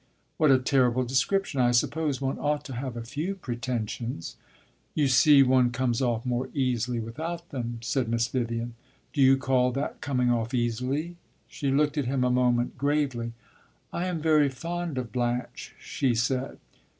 "What a terrible description! I suppose one ought to have a few pretensions." "You see one comes off more easily without them," said Miss Vivian. "Do you call that coming off easily?" She looked at him a moment gravely. "I am very fond of Blanche," she said.